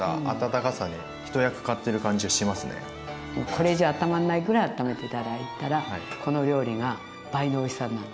これ以上あったまんないぐらいあっためて頂いたらこのお料理が倍のおいしさになる。